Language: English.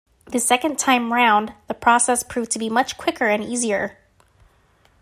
The second time round, the process proved to be much quicker and easier.